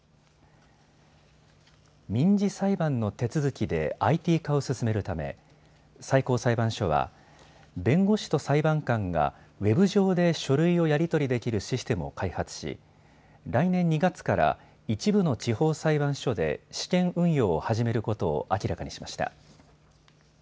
民事裁判の手続きでＩＴ化を進めるため最高裁判所は弁護士と裁判官がウェブ上で書類をやり取りできるシステムを開発し来年２月から一部の地方裁判所で試験運用を始めることを明らかにしました。